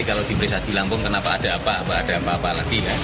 kalau diberi saat di lampung kenapa ada apa apa lagi